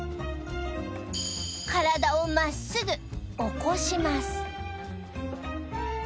体を真っすぐ起こします